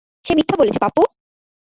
সে মিথ্যা বলছে, পাপ্পু!